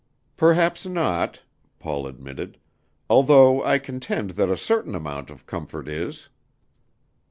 "Perhaps not," Paul admitted, "although I contend that a certain amount of comfort is."